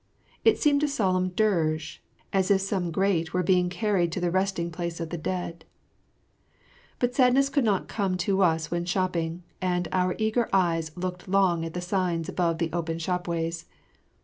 It seemed a solemn dirge, as if some great were being carried to the resting place of the dead. [Illustration: Mylady06.] But sadness could not come to us when shopping, and our eager eyes looked long at the signs above the open shopways.